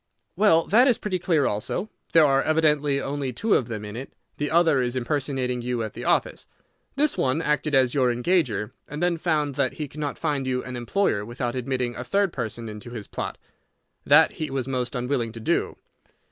"Well, that is pretty clear also. There are evidently only two of them in it. The other is impersonating you at the office. This one acted as your engager, and then found that he could not find you an employer without admitting a third person into his plot. That he was most unwilling to do.